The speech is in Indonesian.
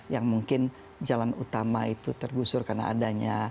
yang mungkin jalan utama itu tergusur karena adanya